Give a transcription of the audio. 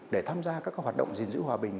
để tham gia các hoạt động gìn giữ hòa bình